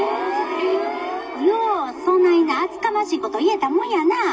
「ようそないな厚かましいこと言えたもんやな」。